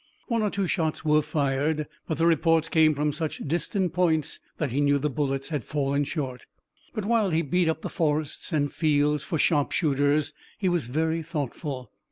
One or two shots were fired, but the reports came from such distant points that he knew the bullets had fallen short. But while he beat up the forests and fields for sharpshooters he was very thoughtful.